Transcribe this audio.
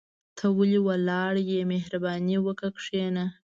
ته ولي ولاړ يى مهرباني وکاه کشينه